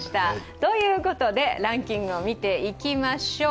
ということで、ランキングを見ていきましょう。